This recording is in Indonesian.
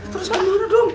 terus gimana dong